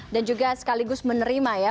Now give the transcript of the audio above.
dan juga sekaligus menerima ya